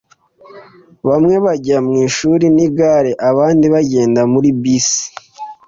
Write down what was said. Bamwe bajya mwishuri nigare, abandi bagenda muri bisi.